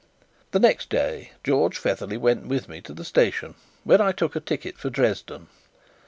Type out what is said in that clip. The next day George Featherly went with me to the station, where I took a ticket for Dresden.